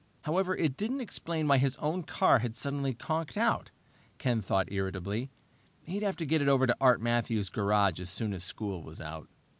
However it didn't explain why his own car had suddenly conked out, Ken thought irritably. He'd have to get it over to Art Matthews' garage as soon as school was out.